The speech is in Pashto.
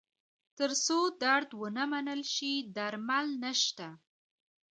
تر څو درد ومنل نه شي، درمل نشته.